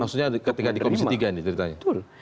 maksudnya ketika di komisi tiga nih ceritanya